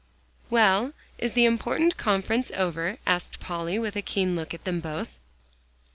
"Well, is the important conference over?" asked Polly, with a keen look at them both.